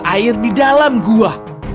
di bawah air di dalam gua